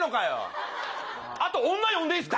あと女呼んでいいですか。